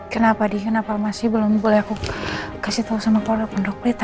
kenapa di kenapa masih belum boleh aku kasih tau sama keluarga pendok pelita